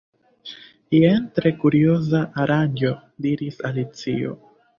"Jen tre kurioza aranĝo," diris Alicio.